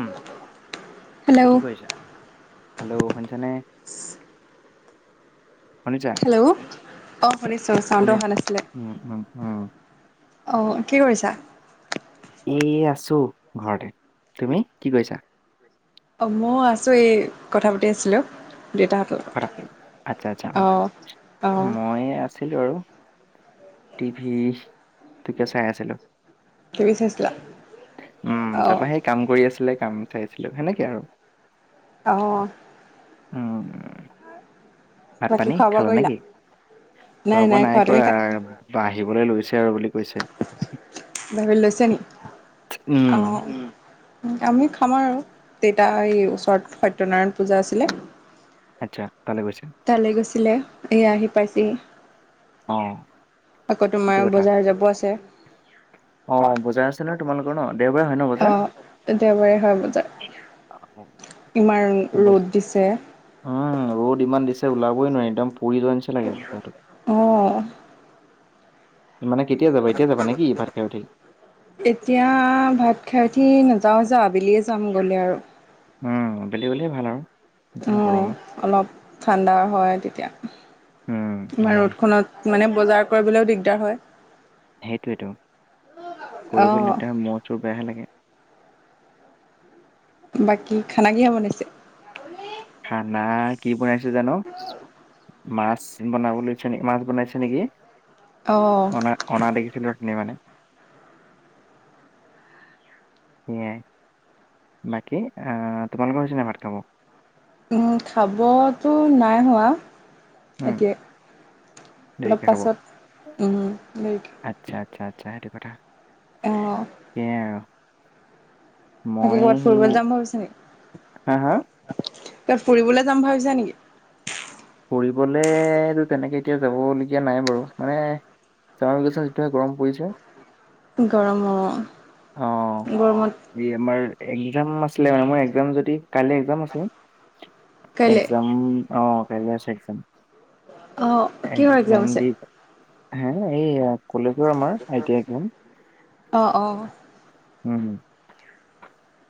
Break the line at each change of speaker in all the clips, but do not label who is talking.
উম
hello
কি কৰিছা? Hello শুনিছানে? শুনিছা?
হেল্ল' অ শুনিছোঁ চাউণ্ড অহা নাছিলে।
অঁ।
অ কি কৰিছা?
এ আছো ঘৰতে, তুমি কি কৰিছা?
অ ময় আছো এই কথা পাতি আছিলো।
আচ্ছা আচ্ছা অ
অ
মই আছ ছিলো আৰু টিভি তোকে চাই আছিলো।
টিভি চাইছিলা
উম
অ
তাৰপা সেই কাম কৰি আছিলে কাম ঠাইছিলো সেনেকে আৰু।
অহ
উম্ ভাত
বাকী
পানী
খোৱা বোৱা
খালা
কৰিলা?
নেকি? খোৱা বোৱা নাই কৰা বাহিবলে লৈছ আৰু বুলি কৈছে।
বাহিবলে লৈছে নি?
উম,
অঁ আমি খাম আৰু। দেতা এই ওচৰত সত্যনাৰায়ণ পূজা আছিলে।
আচ্ছা। তালৈ গৈছে।
তালৈ গৈছিলে এয়া আহি পাইছেহি।
অ',
আকৌ
কি
তোমাৰ
কথা?
বজাৰ যাব আছে।
অ বজাৰ আছে নহয় তোমালোকৰ ন? দেওবাৰে হয় ন
অ
বজাৰ?
দেওবাৰে হয় বজাৰ।
[unintelligible]
ইমান
উম
ৰ'দ দিছে
ৰ'দ ইমান দিছে ওলাবই নোৱাৰি একদম পৰি যোৱা নিচিনা লাগে বাটত।
অ',
ভাত খাই উঠি?
[unintelligible] এতিয়া ভাত খাই উঠি নাযাওঁ যাওঁ আবেলিয়ে যাম গ'লে আৰু।
উম্ আবেলি হলেই ভাল আৰু। ইমান
উম
গৰমত।
অলপ ঠাণ্ডা হয় তেতিয়া।
উম,
আমাৰ
সেয়াই
ৰ'দখনত মানে বজাৰ কৰিবলৈও দিগদাৰ হয়।
সেইটোৱেতো কৰিবলৈ
অ',
দিগদাৰ ম চুৰ [unintelligible] বাহে লাগে।
বাকী খানা কিহৰ বনাইছে?
খানা কি বনাইছো জানো! মাছ বনাবলৈছে নেকি মাছ বনাইছে নেকি
অ',
অনা অনা দেখিছিলো। নি মানে সেইয়াই। বাকী আহ তোমালোকৰ হৈছে নাই ভাত খাব?
উম খাবতো নাই হোৱা।
উম,
এতিয়া অলপ
দেৰিকে খাব।
পাছত অ
আচ্ছা আচ্ছা আচ্ছা সেইটো কথা। সেয়াই আৰু
বাকী
মই
ক'বাত ফুৰিবলৈ
সেই
যাম ভাবিছ নেকি?
হা হা
এয়া ফুৰিবলৈ যাম ভাবিছা নেকি?
ফুৰিবলেতো তেনেকে এতিয়া যাবলগীয়া নাই বাৰু মানে- চছ সটোে গৰম পৰিছে।
গৰম অ',
অ
গৰমত
এই আমাৰ এই এগজাম আছিলে মানে মই এগজাম যদি কাইলৈ এগজাম আছিল।
কাইলৈ
এগজাম অ কাইলৈ আছে একজাম,
অ', কিহৰ এক্সাম
একজাম
আছে?
দি হে এই কলেজৰ আমাৰ আই টি আই একজাম
অ অ
উম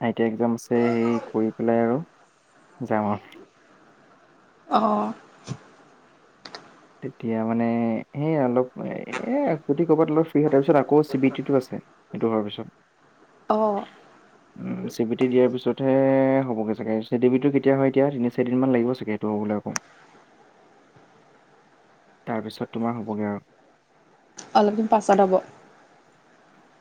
আই টি আই এক্জাম আছে সেই কৰি পেলাই আৰু যাম‌ অ।
অহঁ
তেতিয়া মানে সেই অলপ এই যদি ক'ৰবাত অলপ ফ্ৰী হয় তাৰপিছত আকৌ চি বি ই টি টো আছে সেইটো হোৱাৰ পিছত
অ',
চি বি টি দিয়াৰ পিছতহে হ'বগে চাগে চি বি টি টো কেতিয়া হয় এতিয়া তিনি চাৰি দিনমান লাগিব চাগে এইটো হ'বলৈ আকৌ।
[inaudible]
তাৰপিছত তোমাৰ হ'বগৈ আৰু
অলপদিন পাছত হ'ব।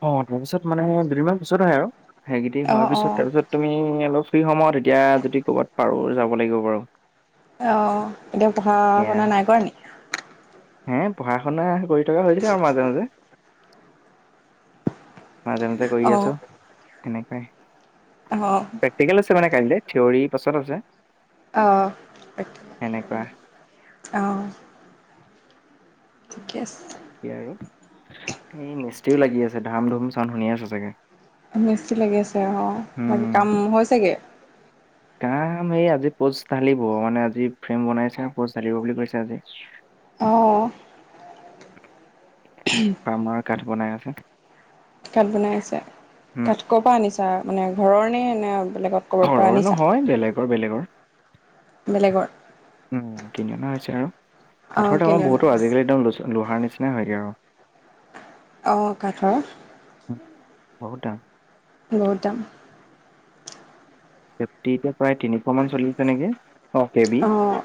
অ তাৰপিছত মানে দুদিনমান পিছত হয় আৰু সেইকিটি হোৱাৰ
অ',
পিছত
অ',
তাৰপিছত তুমি অলপ ফ্ৰি সময়ত এতিয়া যদি ক'ৰবাত পাৰোঁ যাব লাগিব বাৰু
অহ এতিয়া পঢ়া
সেয়া
শুনা নাই কৰা নেকি?
হে পঢ়া শুনা কৰি থকা হৈছিল আমাৰ মাজে মাজে। মাজে মাজে কৰি আছো
অ',
সেনেকোৱাই
অ',
প্ৰেক্টিকেল আছে মানে কাইলে থিয়ৰি পাছত আছে।
আহ
সেনেকুৱা
আহ।
তাক আৰু এই মিস্তিও লাগি আছে ধাম ধুম চান শুনি আছে চাগে।
মেছি লাগি আছে অ বাকী
উম
কাম হৈছেগে-
কাম এই আজি পষ্ট ঢালিব মানে আজি ফ্ৰেম বনাইছে পজ ঢালিব বুলি কৈছে আজি-
আহ
ফাৰ্মৰ কাঠ বনাই আছে।
কাঠ, বনাইছে
উম
কাঠ ক'ৰ পৰা আনিছা মানে ঘৰৰ ন এনে- বেলেগত ক'ব পৰা নিছা।
ৰ বেলেগৰ
বেলেগৰ
উম কিনি অনা হৈছে আৰু
অ',
কাঠৰ টঙাৰ
কিনি অনা,
বহুতো আজিকালি একদম লোহাৰ নিচিনা হয়গৈ। আৰু-
অ কাঠৰ
উম, বহুত দাম-
বহুত দাম
ফিফটি এতিয়া প্ৰায় তিনিশ মান চলি আছে নেকি অ কে বি।
অ',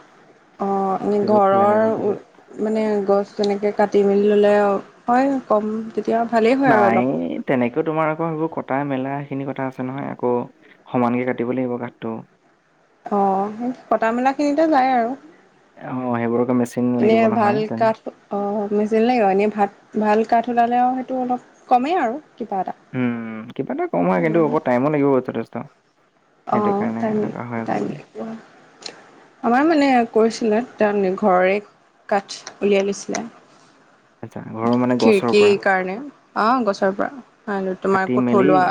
অ এনে ঘৰৰ মানে গছ তেনেকে কাটি মেলি হ'লে হয় কম তেতিয়া ভালেই হয় আৰু
নাই
অলপ
তেনেকে তোমাৰ- আকৌ ভাবো কটা মেলা সেইখিনি কথা আছে নহয় আকৌ সমানকে কাটিব লাগিব গাঠটো-
অ', কটা মেলা খিনিতে যায়। আৰু
অ সেইবোৰকে মেচিন লাগিব
ইনেই
নহয়
ভাল
তেনে
কাঠ, অ মেচিন লাগ এনেই ভাত ভাল কাঠ ওলালে আৰু সেইটো অলপ কমেই আৰু কিবা এটা
উম কিবা এটা কম হয় কিন্তু অক টাইমো লাগিব যথেষ্ট-
অ
সেইটো কাৰণে
টাইম
এনেকুৱা হয়
লাগ
অকমান
আমাৰ মানে কৈছিলে। তেওঁ ঘৰৰে কাঠ উলিয়াই লৈছিলে
আচ্ছা মানে গছৰ
খিৰিকীৰ
পৰা
কাৰণে অঁ গছৰ পৰা তোমাৰ
কাটি মেলি
কঠলোৱা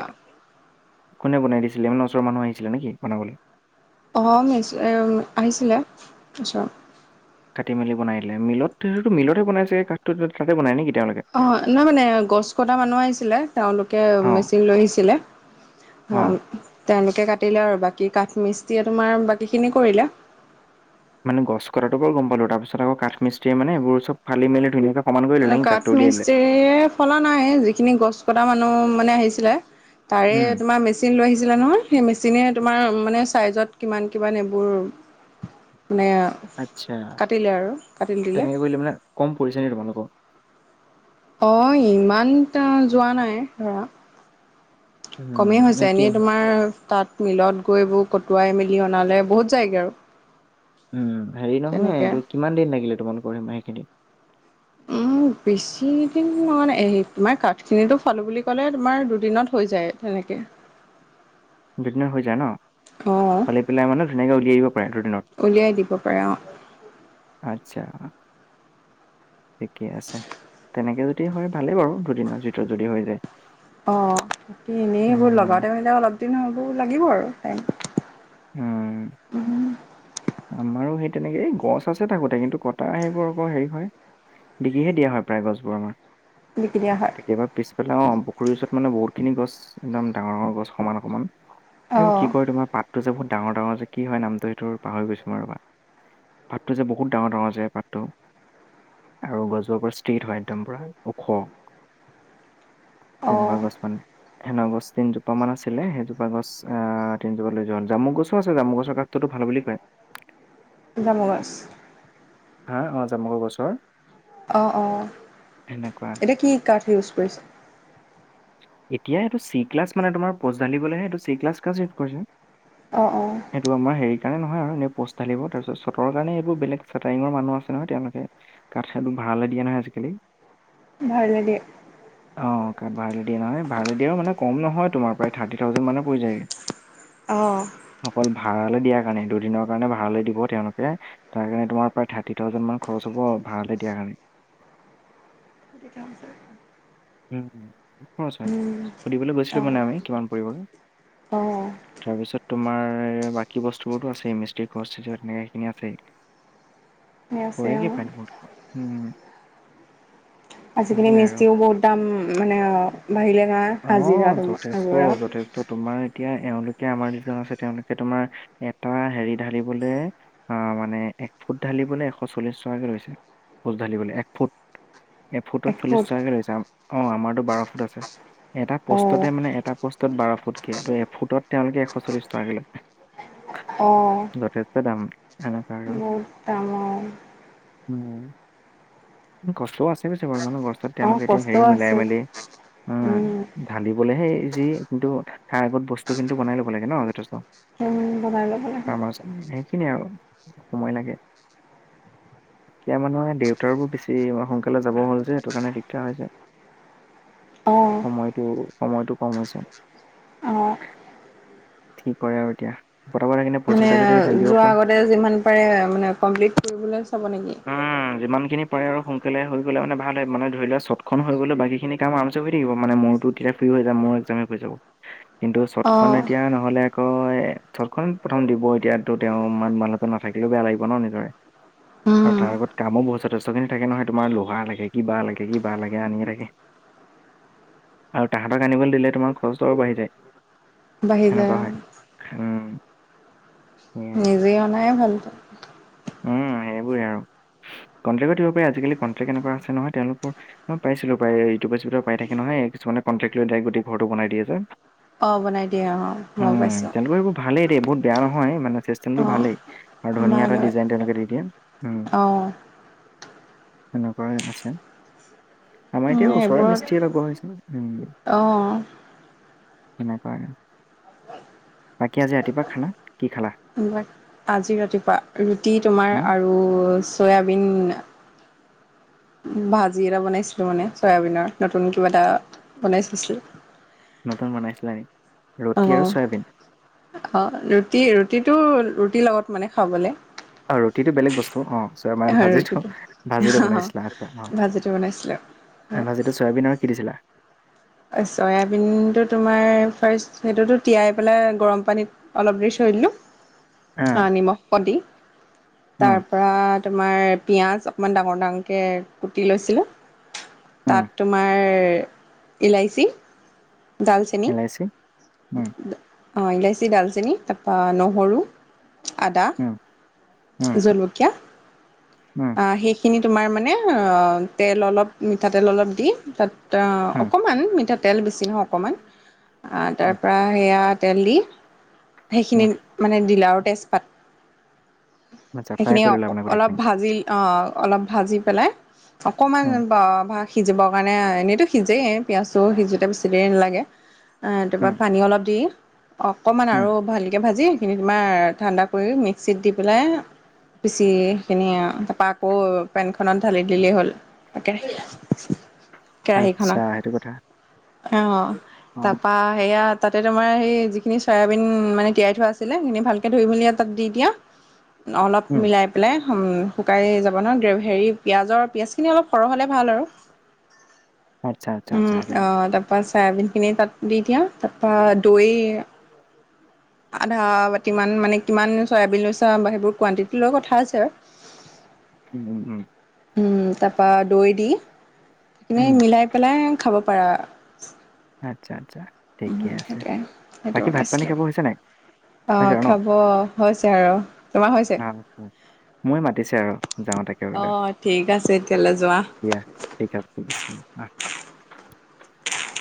কোনে বনাই দিছিলে ইমান ওচৰৰ মানুহ আহিছিলে নেকি বনাবলৈ
অ মে আহিছিলে ওচৰত
কাটি মেলি বনাই লে মিলত সেইটো মিলতহে বনাইছে কাঠটো তাতে বনাই নেকি তেওঁলোকে?
অ নাই মানে গছ কটা মানুহ আহিছিলে তেওঁলোকে
অ',
মেচিন লৈ আহিছিলে অ তেনে কাটিলে আৰু বাকী কাঠমিস্তি তোমাৰ বাকী খিনি কৰিলে
মানে গছ কতাটো বৰ গম পালো তাৰিছত আকৌ কা মিস্তি মানে এইবোৰ চব ফালি মেলি ধুনীয়াকে সমান কৰি ল'লে নেকি
কাঠ
কাঠটো উলিয়াই দিলে?
মিস্ত্ৰি ফলা নাই যিখিনি গছ কটা মানুহ মানে আহিছিলে তাৰে
উম।
তোমাৰ মেচিন লৈ আহিছিলে নহয় সেই মেচিনে তোমাৰ মানে চাইজত কিমান কিমান এইবোৰ মানে
আচ্ছা।
কাটিলে আৰু কাটি দিলে
তেনেকে কৰিলে মানে কম পৰিছে নি তোমালোকৰ?
অ ইমান যোৱা নাই ধৰা
উম,
কমেই
নে
হৈছে
কি
এনেই তোমাৰ তাত মিলত গৈ এইবোৰ কটোৱাই মেলি অনালে বহুত যায়গৈ আৰু
উম হেৰি
তেনেকে
নহয়টো কিমান দিন লাগিলে তোমালোকৰ সিম সেইখিনিত
উম বেছি দিন মানে তোমাৰ কাঠ খিনিতটো ফালো বুলি ক'লে তোমাৰ দুদিনত হৈ যায় তেনে তাকে
দুদিনৰ হৈ যায় ন ফালি পেলাই মানে ধুনীয়াকৈ উলিয়াই দিব পাৰে
উলিয়াই দিব
দুদিনত
পাৰে অঁ
আত্ছা
[unintelligible]
ঠিকেইে আছে তেনেকে যদি হয় ভালেই বাৰু দুদিনৰ ভিতৰত যদি হৈ যায়
অ এনেই এইবোৰ
উম।
লগাতে মানে অলপ দিন হবোৰ লাগিব আৰু
উম।
তাইম উম
আমাৰো সেই তেনেকে এই গছ আছে থাকোতে কিন্তু কটা সেইবোৰ আকৌ হেৰি হয়। বিকিহে দিয়া হয় প্ৰায় গছবোৰ আমাৰ
বিকি দিয়া হয়
কেতিয়াবা পিছফালে অ পুখুৰীৰ ওচৰত মানে বহুত কিনি গছ একদম ডাঙৰ ডাঙৰ গছ সমান সমান এইবোৰ
অঁ
কি কৰে তোমাৰ পাতটো যে ডাঙৰ ডাঙৰ যে কি হয় নামটো এইটো, পাহৰি গৈছোঁ মই ৰবা পাতটো যে বহুত ডাঙৰ ডাঙৰ যে পাতটো আৰু গছজোপা পুৰা ষ্টিত হয় একদম পুৰা ওখ
অঁ
তেনেকুৱা গছ মানে সেন গছ তিনজোপ মান আছিলে সেইজোপা গছ আহ তিনজোপা লৈ যোৱা হল জামু গছো আছে জামু গছৰ কাঠটোতো ভাল বুলি কয়।
জামু গছ
হা অ যামু গছৰ
অঁ অঁ
সেনেকুৱা
এতিয়া কি কাঠ ইউজ কৰিছা।
এতিয়া এইটো চি ক্লাছ মানে তোমাৰ পজালদিবলেহে এইটো চি ক্লাছ
অঁ অঁ
সেইটো আমাৰ হেৰি সেইকাৰণে নহয় এনে পোষ্ট ঢালিব তাৰ পিছত চতৰ কাৰণে এইবোৰ বলেগ চেটাৰিঙৰ মানুহ আছে নহয় তেওঁলোকে কঠালটো ভাড়ালৈ দিয়া নহয় আজিকালি
ভাড়ালৈ দিয়ে।
অ কাঠ ভাড়ালৈ দিয়ে নহয় ভাড়াল দিয়েও মানে কম নহয় তোমাৰ প্ৰায় থাৰ্টি থাউজেণ্ড মানে পৰি যায়গৈ
অঁ
অকল ভাড়ালৈ দিয়া। কাৰণে দুদিনৰ কাৰণে ভাড়ালৈ দিব তেওঁলোকে তাৰ কাৰণে তোমাৰ প্ৰায় থাৰ্টি থাউজেন মানে খৰচ হব ভাড়ালৈ দিয়াৰ কাৰণে হয়।
[unintelligible]
উম। বহুত খৰচ হয় সুধিবলৈ গৈছিলো
অঁ
মানে আমি কিমান পৰিব
অ',
তাৰপিছত। তোমাৰ বাকী বস্তুবোৰতো আছে মিস্ত্ৰিক খস্থিতি তেনেকে সেইখিনি আছে এই?
সেই আছে
কৰে কি
অ'।
[unintelligible] উম'
আজিকালি
সেইবোৰে আৰু
মিস্ত্ৰি বোৰো বহুত দাম। মানে বাহিৰে নহয়
অ
হাজিৰা তোমাৰ আগত
যথেষ্ট যথেষ্ট
কৈ।
তোমাৰ এতিয়া এওঁলোকে আমাৰ যিজন আছে তেওঁলোকে তোমাৰ এটা হেৰি ঢালিবলে আঁহ মানে' এক ফুট ঢালিবলৈ এশ চল্লিশ টকাকে লৈছেইভোল ঢালিবলৈ এক ফুট। এফুট'ত চল্লিশ
এখুত
টকাকে লৈছে ন আমাৰতো বাৰশ ফুট আছে এটা পষ্টতে
অ',
মানে এটা পষ্টতে- বাৰ ফুটকে, এফুটত তেওঁলোকে এশল্লিশ টকাকে লাগে।
অ',
যথেষ্ট দাম।
বহুত দাম অ।
উমঁ। কষ্টও আছে বাৰু ইমানো কষ্ট'ত-
অঁ
তেওঁলোকে এতিয়া হেৰি
কষ্টও
মিলাই
আছে উম'।
সেই যি কিন্তু টাৰ আগত বস্তু কিন্তু বনাই ল'ব লাগে ন' যথেষ্ট।
বনাই ল'ব লাগে।
ফাৰ্মাচ সেইখিনিয়ে আৰু সময় লাগে। এতিয়া মানুহে দেউতাৰ বোৰ বেছি সোনকালে যাব হ'ল যে সেইটো কাৰণে দিগদাৰ হৈছে।
অ',
সময়টো সময়টো ক'ম হৈছে।
অ'।
কি কৰে আৰু এতিয়া বৰ্তমান কিন্ত পজেটিভ আছে।
মানে যোৱাৰ আগতে যিমান পাৰে মানে কমপ্লিট কৰিবলৈ চাব নেকি?
উম, যিমান খিনি পাৰে আৰু সোনকালে হৈ গ'লে মানে ভাল হয় মানে ধৰি লোৱা চটখন হৈ গ'লে বাকীখিনি- তেতিয়া আৰামচে হৈ থাকিব মানে মইতো তেতিয়া ফ্ৰী হৈ যাম মোৰ এক্জামে হৈ যাব। কিন্তু চটখন হে
অ',
এতিয়া নহ'লে- হয় চটখন প্ৰথম দিব এতিয়া তো তেওঁ ইমান মানুহটো নাথাকিলেও বেয়া লাগিব ন' এনেদৰে। আৰু
উম,
তাৰ আগত কামো বহুত যথেষ্টখিনি থাকে নহয় তোমাৰ লোহাৰ লাগে, কিবা লাগে, কিবা লাগে অন্যান্য থাকে। আৰু তাহাঁতৰ আনিবলৈ দিলে তোমাৰ খৰচও বাঢ়ি যায়।
বাঢ়ি যায়
সেনেকুৱা হয়।
অ'।
উম' সেয়াই
নিজে অনাই ভাল তা'ত কৈ।
উম' সেইবোৰে আৰু। কণ্ট্ৰক্ট দিব পাৰি। আজিকালি কট্ৰে্ট এনেকুৱা আছে নহয় তেওঁলোকৰ মই পাইছিলো ইউটিউবত পাই থাকে নহয়। কিছুমানে কন্টেক লৈ দাৰেক গোটেই ঘৰটো বনাই দিয়ে যে।
অঁ বনাই দিয়ে অঁ মই
উম,
পাইছোঁ।
তেওঁলোকৰ সেইবোৰ ভালেই দেই বহুত বেয়া নহয় মানে চিষ্টেমটো
অ',
ভালেই আৰু ধুনীয়া
ভাল
এটা
হয়
ডিজাইন তেওঁলোকে দি দিয়ে।
অ'।
সেনেকুৱাই আছে। আমাৰ
উম
এতিয়া ওচৰে
এইবোৰত
মিস্ত্ৰি লগোৱা হৈছে।
অ
সেনেকুৱাই আৰু। বাকী আজি ৰাতিপুৱা খানা কি' খালা?
আজি ৰাতিপুৱা ৰুটি তোমাৰ
উম?
আৰু চয়াবিন- ভাজি এটা বনাইছিলোঁ মানে চয়াবিনৰ নতুন কিবা এটা বনাই চাইছিলো।
নতুন বনাইছিলা নে ৰুটি আৰু চয়াবিন।
অঁ ৰুটি ৰুটি টো ৰুটিৰ লগত মানে খাবলে।
ৰুটি টো বেলেগ বস্তু অঁ চ' মানে ভাজিটো
ৰুটিটো
ভাজিটো বনাইছিলা অঁ অঁ।
ভাজিটো বনাইছিলো
আঁহ ভাজিটো চয়াবিনৰ কি' দিছিলা?
চয়াবিন টো তোমাৰ ফাৰ্ষ্ট সেইটো তিয়াই পেলাই গৰম পানীত অলপ দেৰি- থলো
আহ
আঁহ নিমখ অকণ দি। তাৰ
উম
পৰা তোমাৰ- পিঁয়াজ অকণমান ডাঙৰ ডাঙৰকৈ কুতি লৈছিলোঁ। তা'ত
উম
তোমাৰ- ইলাইচি, ডালচেনি
ইলাইচি উম
অঁ ইলাইচি, ডালচেনি- তাৰপৰা নহৰু, আদা,
উম উম
জলকীয়া,
উম
সেইখিনি তোমাৰ মানে- তেল অলপ মিঠাতেল অলপ দি তা'ত-
উম
অকণমান মিঠাতেল বেছি নহয় অকণমান,
উম
তাৰপৰা সেয়া তেল দি- সেইখিনি
উম
মানে দিলে আৰু তেজপাত।
আচ্ছা ফ্ৰাই
সেইখিনি
কৰি
অ
ল'লা মানে
অলপ
গোটেইখিনি
ভাজি আহ অলপ ভাজি পেলাই? অকণমান
উম
বা সিজিবৰ কাৰণে এনেইতো সিজেই। পিঁয়াজটোও সিজোঁতে বেছি টাইম নালাগে। তাপা
উম
পানী অলপ দি অকণমান
উম
আৰু ভালকে ভাজি সেইখিনি তোমাৰ ঠাণ্ডা। কৰি মিক্সিত দি পেলাই। পিচি সেইখিনি তাৰপা আকৌ পেনখনত ঢালি দিলেই হ'ল। তাকে। কেৰাহী খত
আচ্ছা সেইটো কথা
অ
অ
তাৰপা সেয়া তাতে ত। তমাৰ সেই যিখিনি চয়াবিন মানে তিয়াই থোৱা আছিলে সেইখিনি ভালকে ধুই মেলি তাত দি দিয়া। অলপ
উম
মিলাই পেলাই। শুকাই যাব ন হেৰি পিঁয়াজৰ পিঁয়াজখিনি অলপ সৰহ হ'লে ভাল আৰু।
আচ্ছা আচ্ছা
উম
আচ্ছা সেইটো কথা।
আহ তাৰ পৰাা চয়াবিন খিনি তাত দি দিয়া তাৰপা দৈ। আধা বাতিমান মানে কিমান চয়াবিন লৈছা বা সেইবোৰ কোৱানটিটি লোৱাৰ কথা আছে আৰু। উ
উম উম
তাপা দৈ দি সেইখিনি
উম
মিলাই পেলাই খাব পাৰা।
আচ্ছা আচ্ছা ঠিকে আছে
সেইটোৱে
বাকী ভাত পানী খাব হৈছে নাই। হৈছে
আহ
আৰু ন?
খাব হৈছে আৰু তোমাৰ হৈছে।
ময় মাতিছে আৰু যাওঁ তাকে বলে
অঁ ঠিক আছে তেতিয়াহ'লে যোৱা
দিয়া ঠিক আ আহ। [unintelligible]